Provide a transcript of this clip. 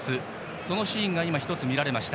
そのシーンが今、１つ見られました。